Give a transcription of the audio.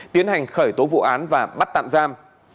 tiến hành khởi tố vụ án và bắt tạm giam